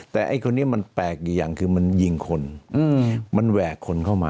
แต่ไอ้คนนี้มันแปลกอยู่อย่างคือมันยิงคนมันแหวกคนเข้ามา